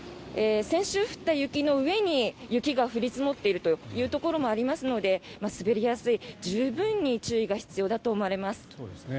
先週降った雪の上に雪が降り積もっているというところもありますので滑りやすい、十分に注意が必要だと思われます。